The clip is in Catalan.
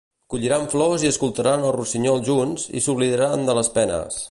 Colliran flors i escoltaran el rossinyol junts, i s'oblidaran de les penes!